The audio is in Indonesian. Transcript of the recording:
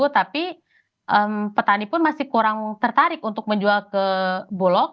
tapi petani pun masih kurang tertarik untuk menjual ke bulog